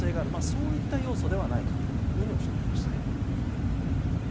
そういった要素ではないかとおっしゃっていました。